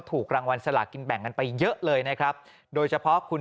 ถูกรางวัลสลากินแบ่งกันไปเยอะเลยนะครับโดยเฉพาะคุณ